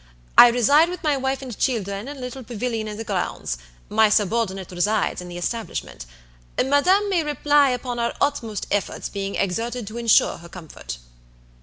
I reside with my wife and children in a little pavilion in the grounds; my subordinate resides in the establishment. Madam may rely upon our utmost efforts being exerted to insure her comfort."